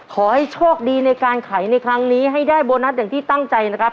ขอให้โชคดีในการไขในครั้งนี้ให้ได้โบนัสอย่างที่ตั้งใจนะครับ